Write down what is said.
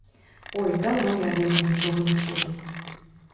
Ой, даўно я ад яго нічога не чуў.